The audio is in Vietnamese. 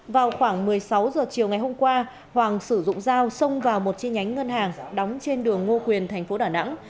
vào khoảng một mươi sáu h chiều ngày hôm qua hoàng sử dụng dao xông vào một chi nhánh ngân hàng đóng trên đường ngô quyền thành phố đà nẵng